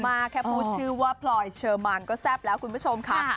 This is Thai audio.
แค่พูดชื่อว่าพลอยเชอร์มานก็แซ่บแล้วคุณผู้ชมค่ะ